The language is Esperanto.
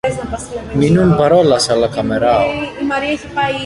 Mi nun parolas al la kamerao!